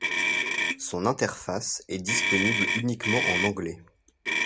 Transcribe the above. Son interface est disponible uniquement en anglais.